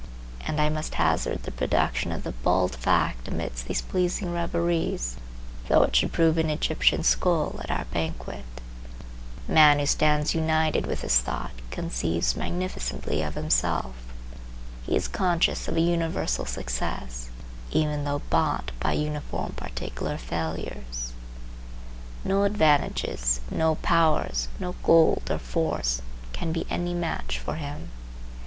And I must hazard the production of the bald fact amidst these pleasing reveries, though it should prove an Egyptian skull at our banquet. A man who stands united with his thought conceives magnificently of himself. He is conscious of a universal success, even though bought by uniform particular failures. No advantages, no powers, no gold or force, can be any match for him.